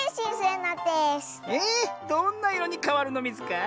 えどんないろにかわるのミズか？